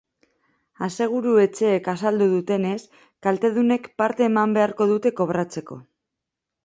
Aseguru-etxeek azaldu dutenez, kaltedunek parte eman beharko dute kobratzeko.